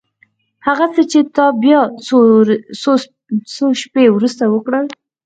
هغه څه چې تا بيا څو شېبې وروسته وکړل.